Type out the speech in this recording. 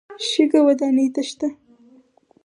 شګه ودانۍ ته شته.